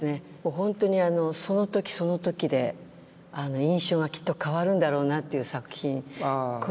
ホントにその時その時で印象がきっと変わるんだろうなという作品。